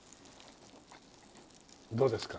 どうですか？